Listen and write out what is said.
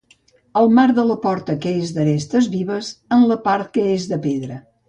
El marc de la porta és d'arestes vives, en la part que és de pedra.